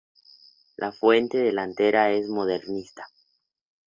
La fuente delantera es modernista.